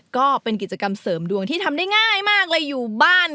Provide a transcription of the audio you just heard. ก็เป็นกิจกรรมเสริมดวงที่ทำได้ง่ายมากเลยอยู่บ้าน